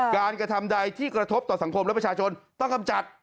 กระทำใดที่กระทบต่อสังคมและประชาชนต้องกำจัด